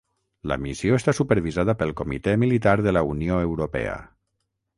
La missió està supervisada pel Comitè Militar de la Unió Europea.